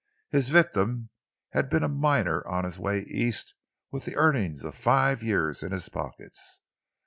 His victim had been a miner on his way East with the earnings of five years in his pockets.